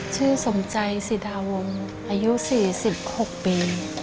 สมใจสิทธาวงศ์อายุ๔๖ปี